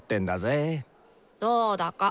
どうだか。